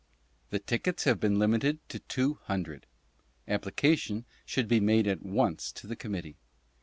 The Tickets have been limited to Two Hundred. Application should be made at once to the Committee.